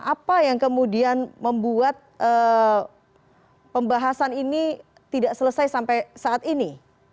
apa yang kemudian membuat pembahasan ini tidak selesai sampai saat ini